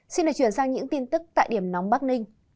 xin được chuyển sang những tin tức tại điểm nóng bắc ninh